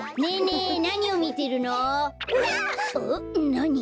なに？